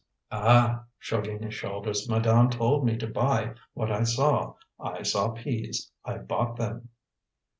"Ah," shrugging his shoulders, "madame told me to buy what I saw. I saw peas. I bought them."